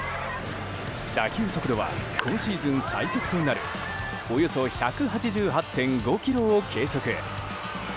打球速度は今シーズン最速となるおよそ１８８．５キロを計測。